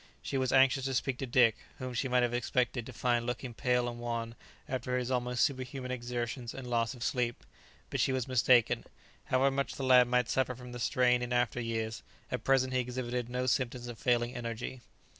She was anxious to speak to Dick, whom she might have expected to find looking pale and wan after his almost superhuman exertions and loss of sleep. But she was mistaken; however much the lad might suffer from the strain in after years, at present he exhibited no symptoms of failing energy.